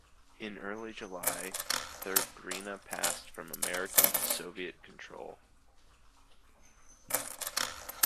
In early July, Thuringia passed from American to Soviet control.